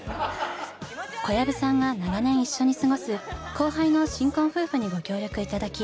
小籔さんが長年一緒に過ごす後輩の新婚夫婦にご協力頂き